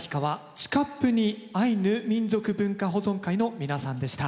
チカップニ・アイヌ民族文化保存会の皆さんでした。